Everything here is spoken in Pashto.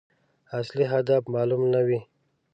اصلي هدف معلوم نه وي.